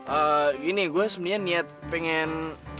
eh gini gue sebenarnya niat pengen